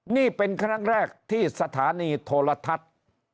นี่เป็นครั้งแรกที่สถานีโทรทัศน์